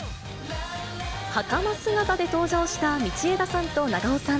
はかま姿で登場した道枝さんと長尾さん。